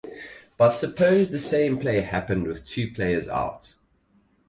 But suppose the same play happened with two players out.